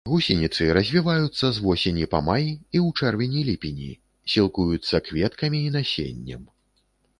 Гусеніцы развіваюцца з восені па май і ў чэрвені-ліпені, сілкуюцца кветкамі і насеннем.